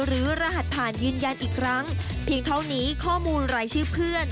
รหัสผ่านยืนยันอีกครั้งเพียงเท่านี้ข้อมูลรายชื่อเพื่อน